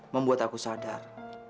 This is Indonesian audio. membuat aku sadar